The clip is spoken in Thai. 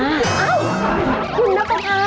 อ้าวคุณน้ำตา